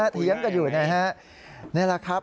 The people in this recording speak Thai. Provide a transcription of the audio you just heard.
เถียงกันอยู่นะฮะนี่แหละครับ